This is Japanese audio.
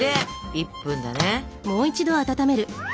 １分だね。